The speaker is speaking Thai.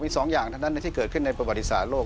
มีสองอย่างเท่านั้นที่เกิดขึ้นในประวัติศาสตร์โลก